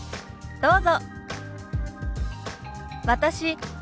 どうぞ。